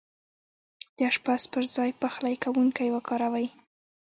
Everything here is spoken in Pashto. د اشپز پر ځاي پخلی کونکی وکاروئ